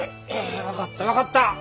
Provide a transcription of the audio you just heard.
分かった分かった。